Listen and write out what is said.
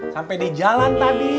sampai di jalan tadi